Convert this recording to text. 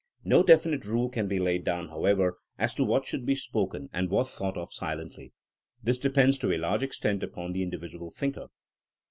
No definite rule can be laid down, however, as to what should be spoken and what thought of silently. This depends to a large extent upon the individual thinker.